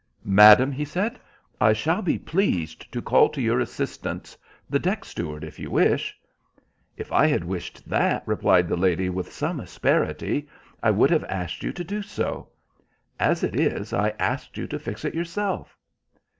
"Madam," he said, "I shall be pleased to call to your assistance the deck steward if you wish." "If I had wished that," replied the lady, with some asperity, "I would have asked you to do so. As it is, I asked you to fix it yourself."